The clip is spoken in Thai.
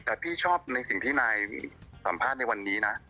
แต่พี่ชอบในสิ่งที่นายสัมภาษณ์ในวันนี้นะ